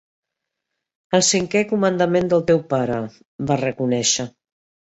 "El cinquè comandament del teu pare", va reconèixer.